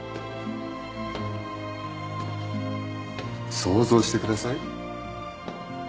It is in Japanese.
想像してください。